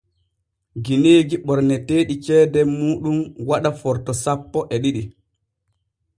Gineeji ɓorneteeɗi ceede muuɗum waɗa Forto sappo e ɗiɗi.